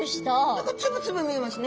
何かつぶつぶ見えますね。